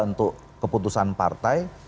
untuk keputusan partai